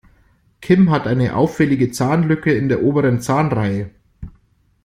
Kim hat eine auffällige Zahnlücke in der oberen Zahnreihe.